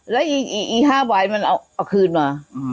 แล้วอีก๕ใบมันเอาคืนมา